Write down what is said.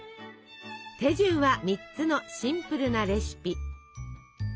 手順は３つのシンプルなレシピ。